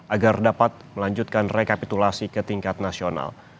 agar dapat melanjutkan rekapitulasi ke tingkat nasional